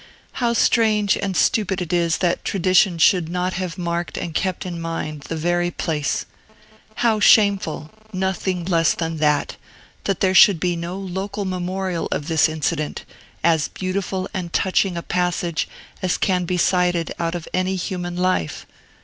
How strange and stupid it is that tradition should not have marked and kept in mind the very place! How shameful (nothing less than that) that there should be no local memorial of this incident, as beautiful and touching a passage as can be cited out of any human life!